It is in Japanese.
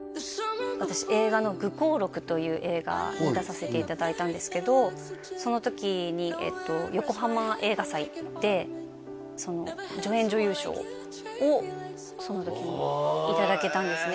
私映画の「愚行録」という映画に出させていただいたんですけどその時にヨコハマ映画祭で助演女優賞をその時にいただけたんですね